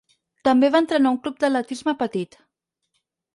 També va entrenar un club d'atletisme petit.